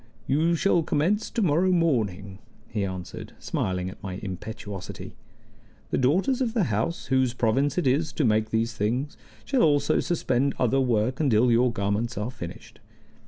"You shall commence to morrow morning," he answered, smiling at my impetuosity. "The daughters of the house, whose province it is to make these things, shall also suspend other work until your garments are finished.